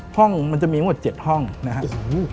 ห้องมันจะมีทั้งหมด๗ห้องนะครับ